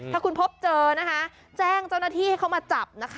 ถ้าคุณพบเจอนะคะแจ้งเจ้าหน้าที่ให้เขามาจับนะคะ